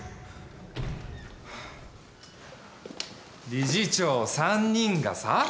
理事長３人がさ。